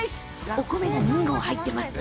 お米が２合、入ってます。